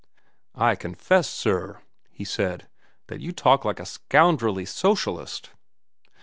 "I confess, sir," he said, "that you talk like a scoundrelly socialist."